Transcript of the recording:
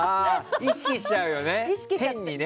意識しちゃうよね、変にね。